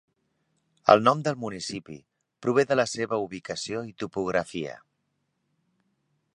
El nom del municipi prové de la seva ubicació i topografia.